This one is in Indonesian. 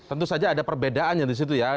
tentu saja ada perbedaannya disitu ya